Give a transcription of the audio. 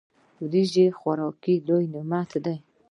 وريجي د خوراک لوی نعمت دی.